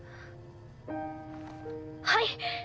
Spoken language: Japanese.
はい。